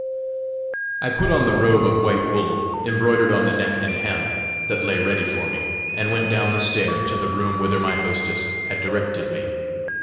I put on the robe of white wool, embroidered on the neck and hem, that lay ready for me, and went down the stair to the room whither my hostess had directed me.